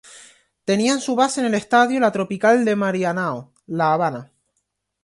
Tenían su base en el Estadio La Tropical de Marianao, La Habana.